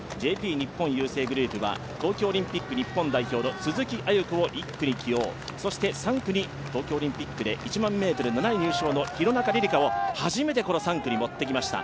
日本郵政グループは東京オリンピック日本代表の鈴木亜由子を１区に起用、３区に東京オリンピックで１００００ｍ７位入賞の廣中璃梨佳を初めてこの３区に持ってきました。